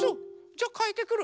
じゃかえてくる。